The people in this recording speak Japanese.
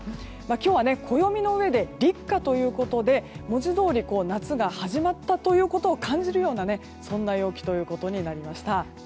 今日は暦の上で立夏ということで文字どおり夏が始まったことを感じるような陽気ということになりました。